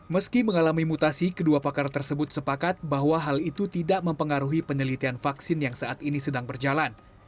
meski mengalami mutasi kedua pakar tersebut sepakat bahwa hal itu tidak mempengaruhi penelitian vaksin yang saat ini sedang berjalan